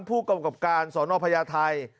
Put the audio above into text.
ผู้กรรมกรรมการสนพญาไทย